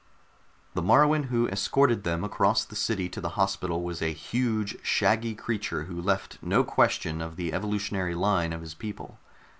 The Moruan who escorted them across the city to the hospital was a huge shaggy creature who left no question of the evolutionary line of his people.